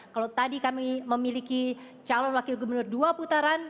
kalau tadi kami memiliki calon wakil gubernur dua putaran